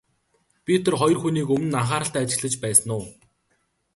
Би тэр хоёр хүнийг өмнө нь анхааралтай ажиглаж байсан уу?